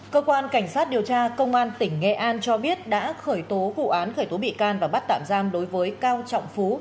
cơ quan cảnh sát điều tra công an tỉnh nghệ an cho biết đã khởi tố vụ án khởi tố bị can và bắt tạm giam đối với cao trọng phú